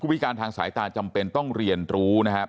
วิการทางสายตาจำเป็นต้องเรียนรู้นะครับ